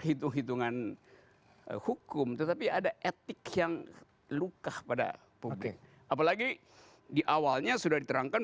hitung hitungan hukum tetapi ada etik yang luka pada publik apalagi di awalnya sudah diterangkan